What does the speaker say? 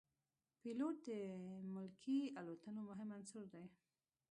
پیلوټ د ملکي الوتنو مهم عنصر دی.